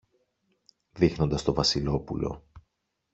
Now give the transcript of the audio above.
δείχνοντας το Βασιλόπουλο.